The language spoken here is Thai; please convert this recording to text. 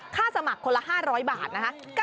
สมัครคนละ๕๐๐บาทนะคะ